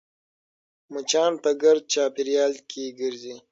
مچان په ګرد چاپېریال کې ګرځي